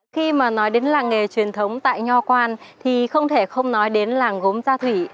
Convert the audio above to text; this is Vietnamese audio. khi mà nói đến làng nghề truyền thống tại nho quan thì không thể không nói đến làng gốm gia thủy